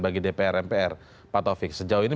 bagi dpr mpr pak taufik sejauh ini